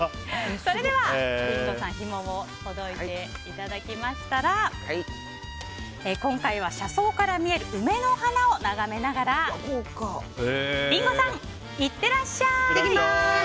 それではリンゴさんひもをほどいていただきましたら今回は車窓から見える梅の花を眺めながらリンゴさん、行ってらっしゃい！